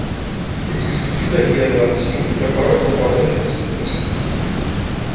Existeix una guia de l'Arxiu d'acord amb el quadre de classificació.